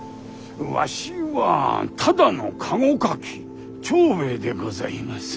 わしはただの駕籠かき長兵衛でございます。